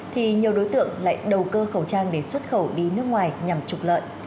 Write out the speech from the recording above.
thì nhiều đối tượng lại đầu cơ khẩu trang để xuất khẩu đi nước ngoài nhằm trục lợi